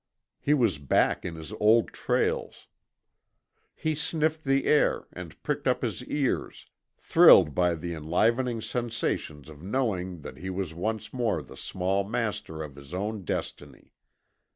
He was back in his old trails. He sniffed the air and pricked up his ears, thrilled by the enlivening sensations of knowing that he was once more the small master of his own destiny.